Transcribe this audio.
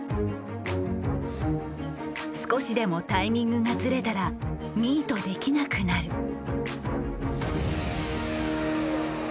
少しでもタイミングがずれたらミートできなくなる。